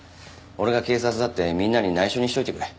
俺が警察だってみんなに内緒にしておいてくれ。